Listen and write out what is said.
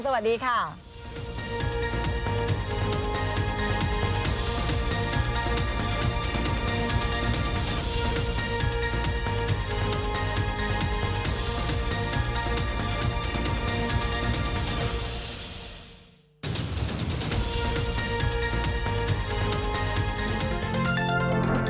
วันนี้ลากลับไปก่อนค่ะคุณผู้ชมสวัสดีค่ะ